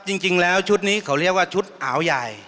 จริงแล้วชุดนี้เขาเรียกว่าชุดอาวใหญ่